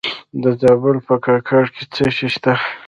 د زابل په کاکړ کې څه شی شته؟